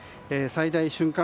最大瞬間